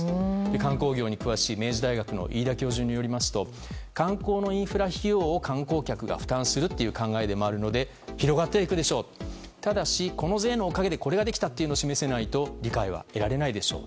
観光業に詳しい明治大学の飯田教授によりますと観光のインフラ費用を観光客が負担する考えで回るので広がってはいくでしょうとただし、この税のおかげでこれができたというのを示さないと理解は得られないでしょう。